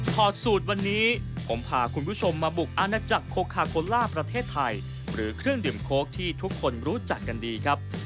ถอดสูตรวันนี้ผมพาคุณผู้ชมมาบุกอาณาจักรโคคาโคล่าประเทศไทยหรือเครื่องดื่มโค้กที่ทุกคนรู้จักกันดีครับ